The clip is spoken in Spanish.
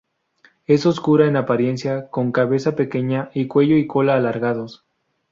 Es oscura en apariencia, con cabeza pequeña y cuello y cola alargados.